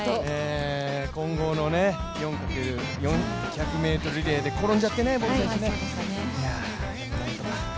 混合の４×４００ｍリレーで転んじゃってね、ボル選手。